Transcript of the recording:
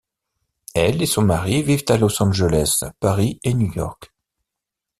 Elle et son mari vivent à Los Angeles, Paris et New York.